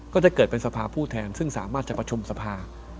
ก็จะกระจกเป็นทรัพย์ผู้แทนซึ่งสามารถจะประชุมทรัพย์